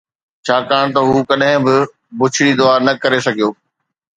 ڇاڪاڻ ته هو ڪڏهن به بڇڙي دعا نه ڪري سگهيو